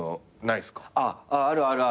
あああるある。